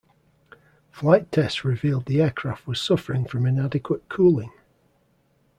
Flight tests revealed the aircraft was suffering from inadequate cooling.